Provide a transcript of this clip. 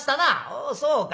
「おおそうか。